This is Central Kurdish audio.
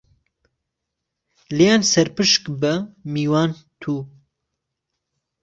لێيان سهرپشک به میوان تو